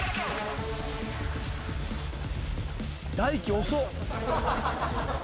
大毅遅っ。